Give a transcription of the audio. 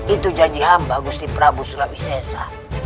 itu janji hamba gusti prabu sulawisesa